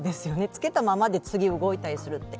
着けたままで次に動いたりするって。